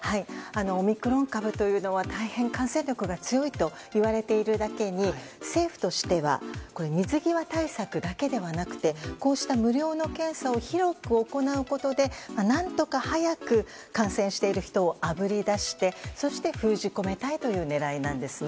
オミクロン株というのは大変、感染力が強いと言われているだけに政府としては水際対策だけではなくてこうした無料の検査を広く行うことで何とか早く感染している人をあぶりだして封じ込めたいという狙いなんです。